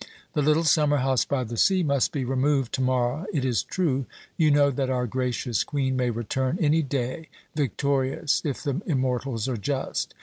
The little summer house by the sea must be removed to morrow, it is true; you know that our gracious Queen may return any day victorious if the immortals are just.